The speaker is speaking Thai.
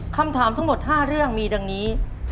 คำถามทั้งหมด๕เรื่องมีดังนี้